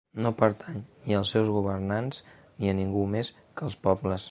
No pertany ni als seus governants ni a ningú més que als pobles.